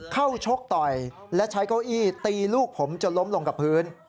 ชกต่อยและใช้เก้าอี้ตีลูกผมจนล้มลงกับพื้น